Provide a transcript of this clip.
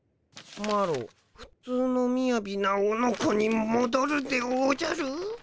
「マロふつうのみやびなオノコにもどるでおじゃる」。